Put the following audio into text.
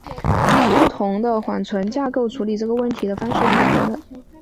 不同的缓存架构处理这个问题的方式是不同的。